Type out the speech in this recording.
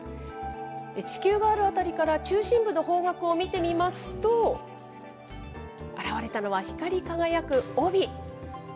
地球がある辺りから中心部の方角を見てみますと、現れたのは光り輝く帯。